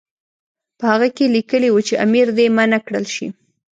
په هغه کې لیکلي وو چې امیر دې منع کړل شي.